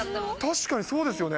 確かにそうですよね。